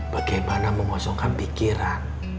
bagaimana mengosongkan pikiran